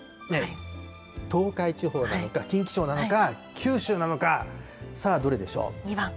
東海地方なのか、近畿地方なのか、九州なのか、さあどれでしょう。